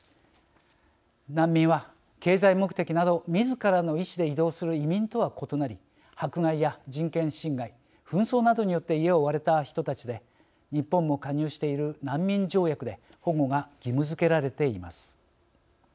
難民は、経済目的などみずからの意思で移動する移民とは異なり迫害や人権侵害紛争などによって家を追われた人たちで日本も加入している難民条約で保護が義務づけられています。